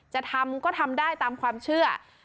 จะทำก็ทำได้ตามความเชื่อ